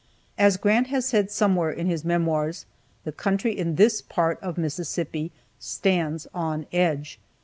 As Grant has said somewhere in his Memoirs, the country in this part of Mississippi "stands on edge."